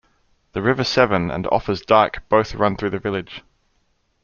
The River Severn and Offa's Dyke both run through the village.